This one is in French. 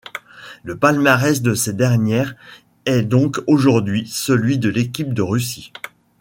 Le palmarès de ces dernières est donc aujourd'hui celui de l'équipe de Russie.